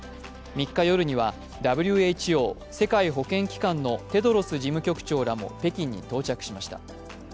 ３日夜にはＷＨＯ＝世界保健機関のペドロス議長も北京に到着しました。